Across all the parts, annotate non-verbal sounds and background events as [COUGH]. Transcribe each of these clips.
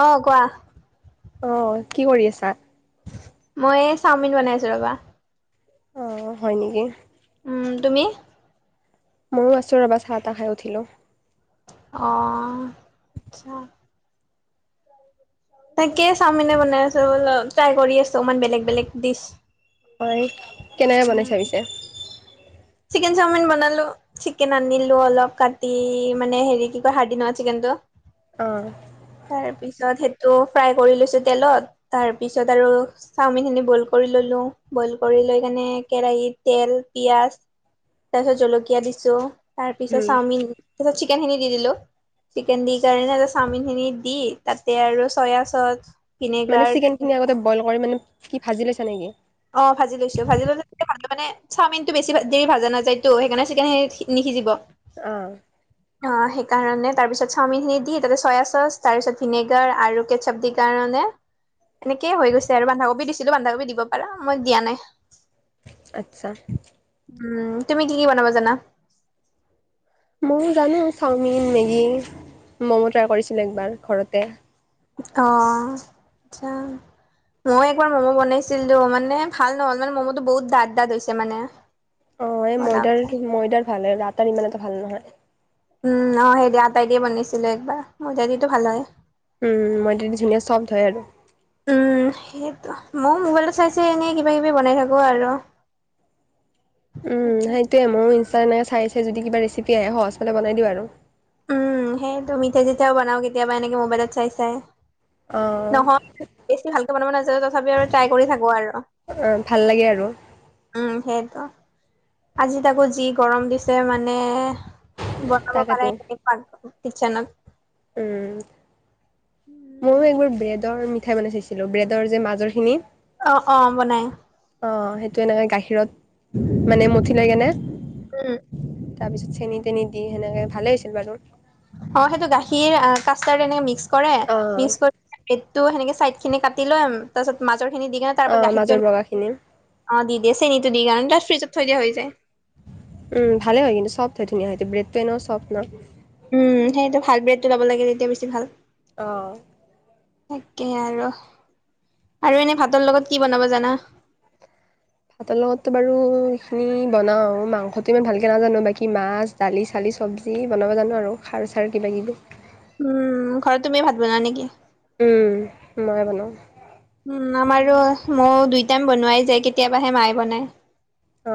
অ কোৱা? অ কি কৰি আছা? মই এ চাওমিন বনাইছো ৰবা। অ হয় নেকি। উম তুমি? মইয়ো আচো ৰবা চাহ তা খাই উঠিলোঁ। অ' আচ্ছা। তাকে চাওমিনে বনাই আছো ট্ৰাই কৰি আছো মান বেলেগ বেলেগ ডিচ। হয় কেনেকে বনাইছা পিছে? চিকেন চাওমিন বনালো। চিকেন আনিলো অলপ কাটি মানে হেৰি কি কয় হাৰ্দি নহোৱা চিকেনটো। অ তাৰপিছত সেট টো ফ্ৰাই কৰি লৈছোঁ তেলত তাৰপিছত আৰু চাওমিনখিনি বইল কৰি ললোঁ বইল কৰি লৈ কেনে কেৰাহিত তেল, পিয়াজ তাৰ পিছত জলকীয়া দিছোঁ, তাৰপিছত উম চাওমিন, তাৰপিছত চিকেন খিনি দি দিলোঁ। চিকেন দি কাৰণে চাওমিনখিনি দি তাতে আৰু চয়া চচ মানে ভিনেগাৰ চিকেনখিনি আগতে বইল কৰি মানে কি ভাজি লৈছা নেকি? অ ভাজি লৈছো ভাজি ললে [UNINTELLIGIBLE] টো মানে চাওমিনটো বেছি ভা দেৰি ভাজা নাযায়তো, সেইকাৰণে চিকেন সি নিসিজিব। অ সেই কাৰণে তাৰ পিছত চাওমিন খিনি দি তাতে চয়া চচ, তাৰ পিছত ভিনেগাৰ আৰু কেটচাপ দি কাৰণে এনেকেই হৈ গৈছে আৰু বান্ধাকবি দিছিলো, বান্ধাকবি দিব পাৰা মই দিয়া নাই। আচ্ছা। উম তুমি কি কি বনাবা জানা? ময়ও জানো চাওমিন, ‌ মেগী, ম'ম' ট্ৰাই কৰিছিলো একবাৰ ঘৰতে। অ' আচ্ছা। মই একবাৰ ম'ম' বনাইছিলো মানে ভাল নহ'ল মানে ম'ম'টো বহুত ডাঠ ডাঠ হৈছে মানে। অ' এই ময়দাৰ বনাওঁতে - ময়দাৰ ভালে, আটাৰ ইমান এটা ভাল নহয়। উম অ সেই দিয়া আটাই দিয়ে বনাইছিলো একবাৰ ময়দা দি টো ভাল হয়। উম ময়দা দি ধুনীয়া ছফ্ট হয় আৰু। উম সেইটো ময়ো মোবাইলত চাই চাই এনে কিবা কিবি বনাই থাকো আৰু। [INAUDIBLE] উম সেইটোৱে, মইও ইনষ্টাত এনেকে চাই চাই যদি কিবা ৰেচিপি আহে সহজ পালে বনাই দিওঁ আৰু। উম সেইটো। মিঠাই চিঠাইও বনাও কেতিয়াবা এনেকে মোবাইলত চাই চাই। নহয় অ বেছি ভালকে বনাব নাযানো তথাপি আৰু ট্ৰাই কৰি থাকো আৰু। অ ভাল লাগে আৰু। উম সেইটো, আজি তাকো যি গৰম দিছে মানে। বনাব তাকেতো পাৰাই‌ [UNINTELLIGIBLE] কিতচেনত। উম। মইয়ো একবাৰ ব্ৰেডৰ মিঠাই বনাই চাইছিলো ব্ৰেডৰ যে মাজৰ খিনি। অ' অ' বনাই। অ' সেইটো এনেকে গাখীৰত মানে মঠি লৈ কেনে। উম। তাৰ পিছত চেনি তেনি দি সেনেকে ভালে হৈছিল বাৰু। অ' সেইটো গাখীৰ আ কাষ্টাৰ্ এনেকে মিক্স কৰে অ মিক্স কৰি ব্ৰেটটো সেনে চাইড খিনি কাটি লৈ তাৰপিছত মাজৰখিনি দি কিনে তাৰ অ ওপৰত মাজৰ গাখীৰটো বগাখিনি অ দি দিয়ে চেনীটো দি কাৰণ তাত ফ্ৰিজত থৈ দিয়া হৈ যায়। উম, ভালে হয় কিন্তু ছফ্ট হয় ধুনীয়া হয় ত ব্ৰেডটো এনেও ছফ্ট ন'। উম, সেইটো ভাল ব্ৰেডটো পাব লাগে, তেতিয়া বেছি ভাল। অ'। তাকে আৰু। আৰু এনে ভাতৰ লগত কি বনাব জানা? ভাতৰ লগত তো বাৰু ইখিনি বনাও মাংসতো ইমান ভালকে নাজানো বাকি মাছ দালি চালি চব্জি বনাব জানো আৰু খাৰ চাৰ কিবাকিবি। উম, ঘৰত তুমিয়ে ভাত বনোৱা নেকি? উম, ময়ে বনাও। উম আমাৰো ময়ো দুই টাইম বনোৱাই যায় কেতিয়াবাহে মায়ে বনায়। অ।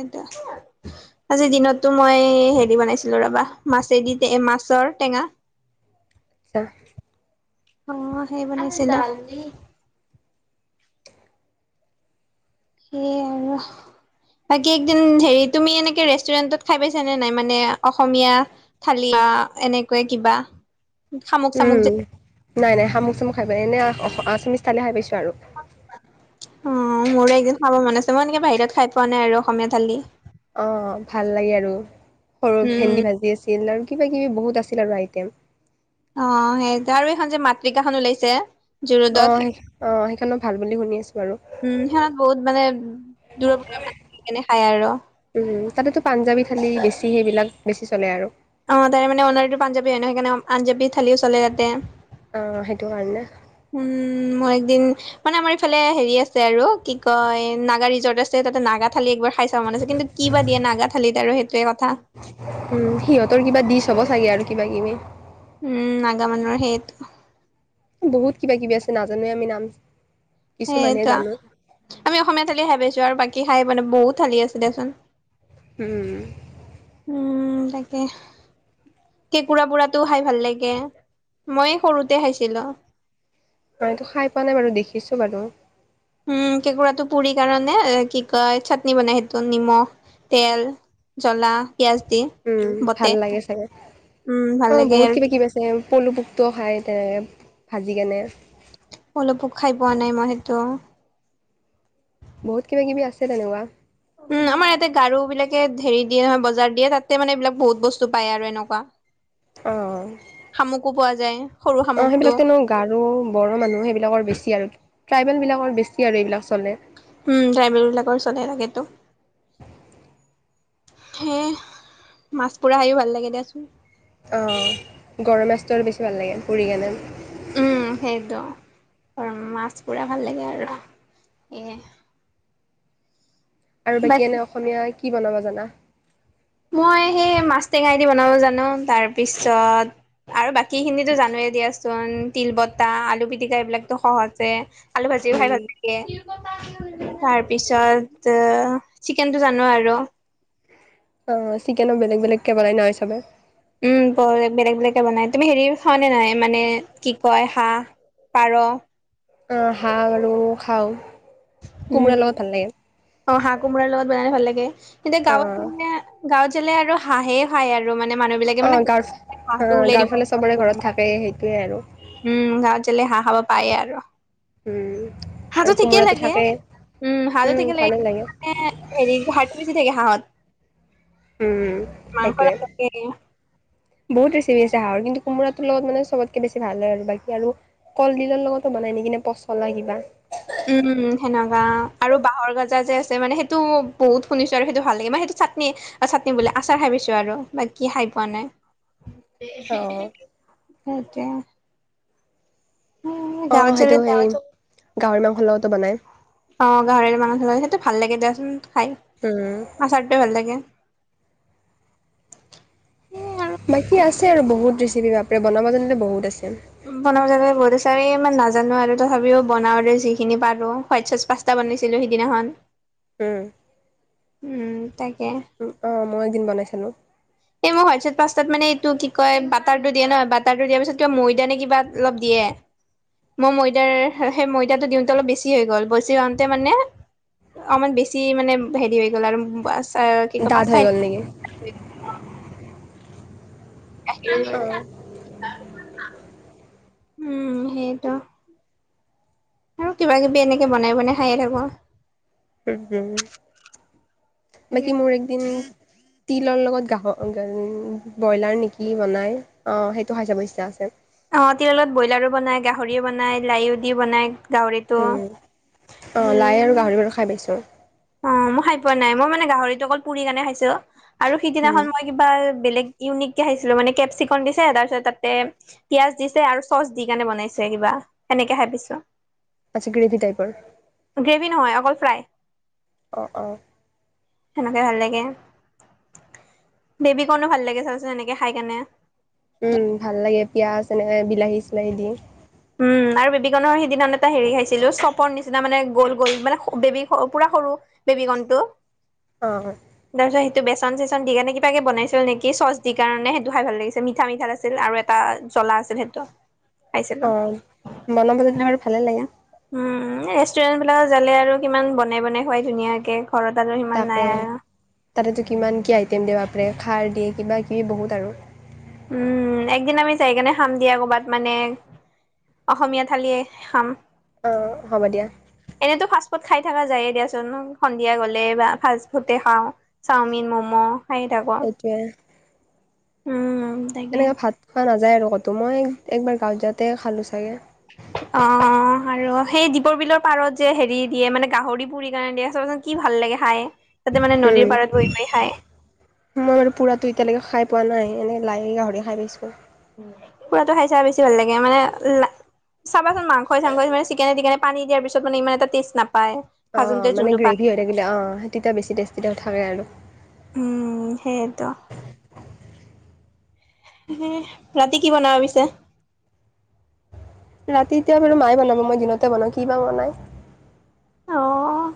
এইটো, আজি দিনতটো মই হেৰি বনাইছিলো ৰবা মাছেদি টে মাছ। জৰ টেঙা। আচ্ছা। অ হেৰি বনাইছিলো সেইয়াই আৰু। বাকী একদিন হেৰি তুমি এনেকে ৰেষ্টুৰেন্টত খাই পাইছ নে নাই মানে অসমীয়া থালি বা এনেকুৱা কিবা? [INAUDIBLE] শামুক চামুক যে। উম নাই নাই শামুক চামুক খাই নাই পোৱা, এনে অখ আছামিছ থালি খাই পাইছো। অ মোৰো একদিন খাব মন আছে। মই এনেকে বাহিৰত খাই পোৱা নাই আৰু অসমীয়া থালি। অঁ ভাল লাগে আৰু। সৰু উম ভেন্দি ভাজি আছিল আৰু কিবা কিবি বহুত আছিল আৰু আইটেম। অ সেই আৰু এইখন যে মাতৃকাখন ওলাইছে? অ জুৰোডত সেই অ সেইখন মই ভাল বুলি শুনি আছো। উম সেইখনত বহুত মানে দূৰৰ মানুহ আহি কেনে খায় আৰু। পাঞ্জাৱী থালী বেছি সেইবিলাক বেছি চলে আৰু। অ তাৰে মানে অনাৰটো পাঞ্জাবী হয় ন সেইকাৰণে পাঞ্জাবী থালিয়ে চলে তাতে। অ সেইটো কাৰণে। উম মোৰ একদিন মানে আমাৰ ইফালে হেৰি আছে আৰু কি কয় নাগা ৰিজৰ্ট আছে তাতে নাগা- থালি একবাৰ খাই চাব মন আছে, কিন্তু কি বা দিয়ে নাগা থালিত আৰু সেইটোৱে কথা। উম, সিহঁতৰ কিবা ডিচ হ'ব চাগে আৰু কিবা কিবি। উম নাগা মানুহৰ সেইটো। বহুত কিবা কিবি আছে নাজানোৱেই আমি নাম। কিছুমানহে সেইটোৱা। জানো আমি অসমীয়া থালি খাই পাইছো আৰু বাকী খাইয়ে পোৱা নাই বহুত থালি আছে দেচোন। উম। উম তাকে। কেঁকুৰা পুৰাটো খাই ভাল লাগে, মই সৰুতে খাইছিলো। মই সেইটো খাই পোৱা নাই বাৰু দেখিছো বাৰু। উম কেঁকোৰাটো পুৰি কাৰণে কি কয় চাটনি বনাই সেইটো নিমখ তেল, জ্বলা। পিয়াজ দি উম বতে ভাল লাগে চাগে। উম ভাল অ লাগে বহুত আৰু কিবা কিবি আছে। পলু পোকটোও খায় তে ভাজি কেনে। পলো পোক খাই পোৱা নাই মই সেইটো। বহুত কিবা কিবি আছে তেনেকুৱা। উম আমাৰ ইয়াতে গাৰো বিলাকে হেৰি দিয়ে নহয় বজাৰ দিয়ে তাতে মানে এইবিলাক বহুত বস্তু পায় আৰু এনেকুৱা। অহ। শামুকো পোৱা যায় সৰু অ শামুকটো সেইবিলাকতো নো গাৰো, বড়ো মানুহ সেইবিলাকৰ বেছি আৰু। ট্ৰাইবেল বিলাকৰ বেছি আৰু এই বিলাক। উম ট্ৰাইবেল বিলাকৰ চলে থাকে তো। সেই মাছ পুৰা খাইয়ো ভাল লাগে দিয়াচোন। অ গৰৈ মাছটো আৰু বেছি ভাল লাগে পুৰি কেনে। উম সেইটো, আৰু মাছ পুৰা ভাল লাগে আৰু। এ আৰু বাকী এনে অসমীয়া কি বনাব জানা? মই সেই মাছ টেঙাই দি বনাব জানো তাৰপিছত আৰু বাকী খিনিতো জানোৱে। দিয়াচোন। তিল বতাহ, আলু পিটিকা এইবিলাকতো সহজে। আলু ভাজি খাইয়ো ভাল উম লাগে। তাৰ পিছত চিকেনটো জানো আৰু। অঁ চিকেনো বেলেগ বেলেগকে বনাই নহয় চবে। উম ব বেলেগ বেলেগকে বনাই। তুমি হেৰি খোৱা নে নাই মানে কি কয় হাঁহ পাৰ? আহ হাঁহ বাৰু খাওঁ। কোমোৰাৰ উম লগত ভাল লাগে অ হাঁহ কোমোৰাৰ লগত বনালে ভাল লাগে। কিন্তু অ গাঁৱত জালে গাঁৱত জালে আৰু হাঁহে খাই আৰু মানে মানুহ বিলাকে অ মানে গ গাঁৱৰ অ হাঁহটো উলাই গাঁৱৰ দিব ফালে চবৰে আৰু ঘৰত বনাই থাকে সেইটোৱে আৰু উম গাঁৱ জাললে হাঁহ খাব পাই আৰু উম হাঁহটো আৰু ঠিকেই কোমোৰাটো লাগে থাকে। উম হালদি কিলে ভালে লাগে মানে হেৰি হাৰ্ডি বে ছি থাকে হাঁহত উম মাংস সেইটোৱে। নাথাকে বহুত ৰেচিপি আছে হাঁহৰ কিন্তু কোমোৰাটোৰ লগত মানে চবতকে বেছি ভাল হয় আৰু বাকী আৰু কলডিলৰ লগতো বন- আনি কিনে পচলা কিবা উম সেনেকা আৰু বাঁহৰ গাজা যে আছে মানে সেইটো বহুত শুনিছো আৰু সেইটো ভাল লাগে মই সেইটো চাটনি অ চাটনি বোলে আচাৰ খাই পিছো আৰু বাকি খাই পোৱা নাই। [UNINTELLIGIBLE] অ', হেতুয়ে অ সেইটো হেই গাহৰি মাংসৰ লগতো বনাই। অ গাহৰিৰ মানুহে সেইটো ভাল লাগে দিয়াচোন খাই, উম। আচাৰটোৱে ভাল লাগে। সেই আৰু বাকী আছে আৰু বহুত ৰেচিপি বাপৰে বনাব জানিলে বহুত আছে। বনাব যানিলে বহুত আছে। তাৰে ইমান নাজানো আৰু তথাপিও বনাওঁতে যিখিনি পাৰোঁ হোৱাইট চচ পাস্তা বনাইছিলোঁ সিদিনাখন। উম উম তাকে উ অ মই এদিন বনাইছিলো। এই মোক হোৱাইট চচ পাঁচটাত মানে এইটো কি কয় বাটাৰটো দিয়ে ন বাটাৰটো দিয়াৰ পিছত কিবা ময়দা নে কিবা অলপ দিয়ে। দিয়ে মই ময়দাৰ সেই ময়দাটো দিওঁতে অলপ বেছি হৈ গ'ল বেছি হওতে মানে অমান বেছি মানে হেৰি হৈ গ'ল আৰু আচাৰ কি কৈ ডাঠ পাঁচটা হৈ গ'ল নেকি? উম সেইটো আৰু কিবা কিবি এনেকে বনাই বনাই খায়ে থাকো। উম উম বাকি মোৰ এইকেইদিন তিলৰ লগত গাহ ব্ৰইলাৰ নেকি বনাই সেইটো খাই চাব ইটচা আছে। অ তিললত ব্ৰইলাৰো বনাই গাহৰিও বনাই লাইও দি বনাই গাঁহৰিটো উম। অ', হ। লাই আৰু গাহৰি বাৰু খাই পাইছোঁ। অ মই খাই পোৱা নাই মই মানে গাহৰি টো অকল পুৰি কেনে খাইছো আৰু উম। সিদিনাখন মই কিবা বেলেগ। ইউনিক কে খাইছিলো মানে কেপচিকম দিছে তাৰপিছত তাতে পিয়াজ দিছে আৰু চচ দি কেনে বনাইছো কিবা সেনেকে ভাবিছো। আচ্ছা গ্ৰেভিভি টাইপৰ প্ৰায়। অঁ অঁ সেনেকে ভাল লাগে বেবী কণো ভাল লাগে চাওচোন এনেকে খাই কেনে। পিঁয়াজ এনেকৈ বিলাহী চিলাহী দি উম আৰু বেবীকনৰ সিদিনাখন এটা হেৰি খাইছিলো, চপৰ নিচিনা মানে গ'ল গ'ল মানে বেবী পুৰা। সৰু বেবী কনটো। অ টো বেচন চেচন দি কাৰণে কিবাকে বনাইছিল নেকি চচ দি কাৰণে সেইটো খাই ভাল লাগিছে মিঠা মঠা আছিল আৰু এটা। জ্বলা আছিল সেইটো খাইছিলো। বনাব জানিলে টো ভালে লাগে। উম ৰেষ্টুৰেণ্টবিলাকত জালে আৰু কিমান বনাই বনাই খোৱাই ধুনীয়াকে। ঘৰত আৰু সিমান নাই তাকে। আৰু। তাতেতো কিমান কি আইটেম দিয়ে য়ে, খাৰ দিয়ে, কিবাকিবি বহুত আৰু উম, একদিন আমি যাই কেনে খাম দিয়া‌ কৰ'বাত মানে অসমীয়া থালিয়ে খাম। অ' হ'ব দিয়া। ক'ত খাই থাকা যায়ে দিয়াচোন। সন্ধিয়া গ'লে, বা ফাষ্টফুতে খাওঁ, চাওমিন, ম'ম' হাঁহি থাকোঁ। এইটোৱে উম। এনেকে ভাত খোৱা নাযায় আৰু ক'তো। মই একবাৰ গাঁৱত যাওঁতে খালোঁ চাগে। অ' আৰু সেই দীপৰ বিলৰ পাৰত যে হেৰি দিয়ে, মানে গাহৰি পুৰি কেনে দিয়ে। চাবাচোন কি ভাল লাগে খাই। তাতে উম। মানে নদীৰ মই পাৰত বহি বাৰু বহি খাই পুৰাতো এতিয়ালৈকে খাই পোৱা নাই এনেই লাই গাহৰি খাই পাইছো। পুৰাতো খাই চাই বেছি ভাল লাগে মানে চাবাচোন মাংস চাংস চিকেনে তিকেনে। পান দাৰিছতানে ই এটা টে নাপায় অ ভাজোতে মানে যোনটো পায় গ্ৰেভিী হৈ থাকিলে অ তেতিয়া বেছি থাকে আৰু উম, সেয়েটো। এনে ৰাতি কি বনাব পিছে? ৰাতি এতিয়া বাৰু মায়ে বনাব। মই দিনতে বনাওঁ। কি বা বনায়? অ'।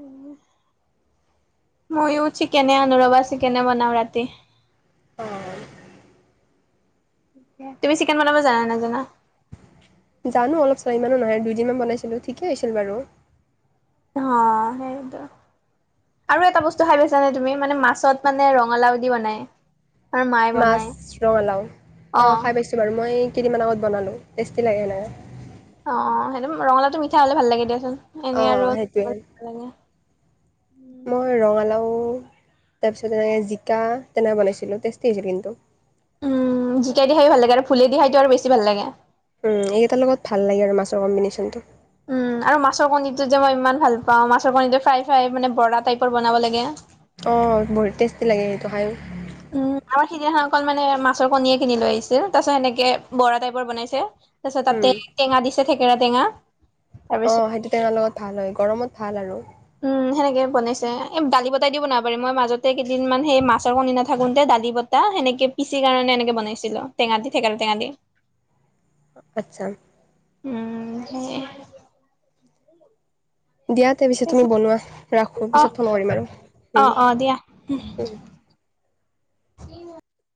উম। ময়ো চিকেনে আনোঁ ৰবা। চিকেনে বনাও ৰাতি। অ'। তুমি চিকেন বনাব জানা নে নাজানা? জানোঁ অলপ। ছয়মানো নহয়, দুইদিনমান বনাইছিলোঁ। ঠিকে হৈছিল বাৰু। অ' সেয়েটো। আৰু এটা বস্তু খাই পাইছানে তুমি? মানে মাছত মানে ৰঙালাও দি বনায়। মাছ ৰঙালাও, অ' খাই পাইছোঁ বাৰু। মই কেইদিনমান আগত বনালোঁ। টেষ্টি লাগে সেনেকে। অ' সেইটো ৰঙালাওটো মিঠা হ'লে ভাল লাগে দিয়াচোন। এনে অঁ আৰু সেইটোৱে [INAUDIBLE] লাগে মই ৰঙালাও তাৰপিছত তেনেকে জিকা, তেনেকে বনাইছিলোঁ। টেষ্টি হৈছিল কিন্তু। উম, জিকাইদি খাই ভাল লাগে আৰু ভোলেদি খাইতো আৰু বেছি ভাল লাগে। উম, এইকেইটাৰ লগত ভাল লাগে আৰু, মাছৰ কম্বিনেশ্যনটো। উম আৰু মাছৰ কণীটো যে মই ইমান ভাল পাওঁ। মাছৰ কণীটো ফ্ৰাই - ফ্ৰাই মানে ব'ৰা টাইপৰ বনাব লাগে। অ' বহুত টেষ্টি লাগে সেইটো খাই। উম। আমাৰ সিদিনাখন অকল মানে মাছৰ কণীয়ে কিনি লৈ আহিছিল। তাৰপাছত সেনেকে ব'ৰা টাইপৰ বনাইছে। তাৰপিছত উম, তাতে টেঙা দিছে, থেকেৰা টেঙা। অ' তাৰপিছত সেইটো টেঙাৰ লগত ভাল হয়, গৰমত ভাল আৰু। উম, সেনেকে বনাইছে। এই দালি বটাই দি বনাব পাৰি। মই মাজতে কেইদিনমান সেই মাছৰ কণী নাথাকোঁতে দালি বতা সেনেকে পিচি কাৰণে এনেকে বনাইছিলোঁ। টেঙা দি, থেকেৰা টেঙা দি। আচ্ছা। উম, সেয়ে। দিয়া তে পিছে। তুমি দিয়া। বনোৱা। ৰাখোঁ। অ', পিছত ফোন কৰিম আৰু। উম, অ', অ', দিয়া। উম। [INAUDIBLE] স